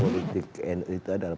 politik nu itu adalah